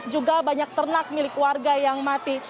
juga banyak ternak milik warga yang mati